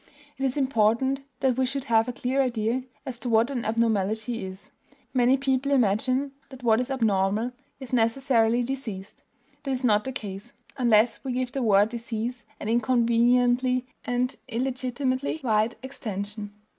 It is important that we should have a clear idea as to what an abnormality is. Many people imagine that what is abnormal is necessarily diseased. That is not the case, unless we give the word disease an inconveniently and illegitimately wide extension.